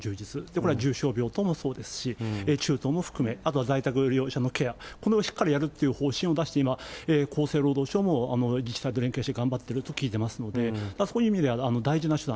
これは重症病床もそうですし、中等も含め、あとは在宅療養者のケア、これをしっかりやるという方針を出して今、厚生労働省も自治体と連携して頑張ってると聞いてますので、そういう意味では大事な手段。